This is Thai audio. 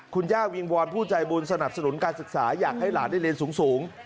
คุณย่าวิงวอนผู้ใจบุญสนับสนุนการศึกษาอยากให้หลานได้เรียนสูง